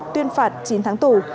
tuyên phạt chín tháng tù